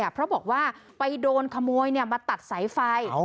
เพราะบอกว่าไปโดนขโมยมาตัดสายไฟ